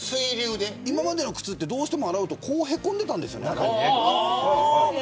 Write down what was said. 今までの靴はどうしても洗うとへこんでいたんですよ。